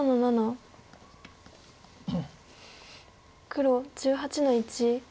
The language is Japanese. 黒１８の一。